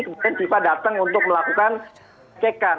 kemudian fifa datang untuk melakukan cekan